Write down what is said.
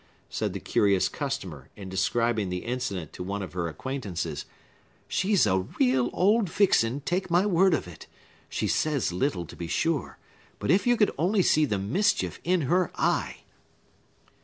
said the curious customer, in describing the incident to one of her acquaintances. "She's a real old vixen, take my word of it! She says little, to be sure; but if you could only see the mischief in her eye!"